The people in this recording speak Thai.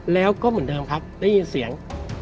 แล้วก็เหมือนเดิมครับได้ยินเสียง